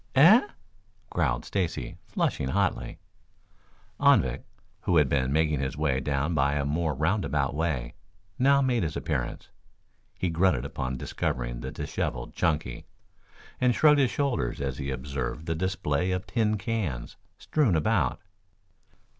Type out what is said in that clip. "Eh?" growled Stacy, flushing hotly. Anvik, who had been making his way down by a more roundabout way, now made his appearance. He grunted upon discovering the disheveled Chunky, and shrugged his shoulders as he observed the display of tin cans strewn about.